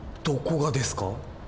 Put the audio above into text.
どこがですか？